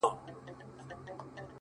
سیاه پوسي ده ـ خُم چپه پروت دی ـ